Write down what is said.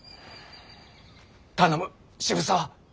頼む渋沢。